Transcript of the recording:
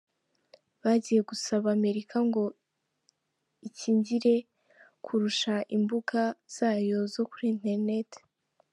Bagiye gusaba Amerika ngo ikingire kurusha imbuga zayo zo kuri internet.